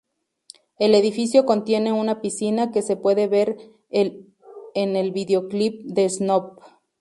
El edificio contiene una piscina que se puede ver el en videoclip de Snoop.